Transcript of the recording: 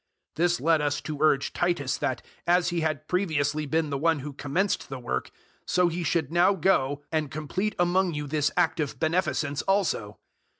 008:006 This led us to urge Titus that, as he had previously been the one who commenced the work, so he should now go and complete among you this act of beneficence also.